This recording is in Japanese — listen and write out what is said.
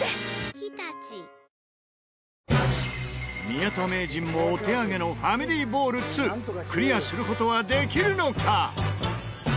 宮田名人もお手上げの『ファミリーボールⅡ』クリアする事はできるのか？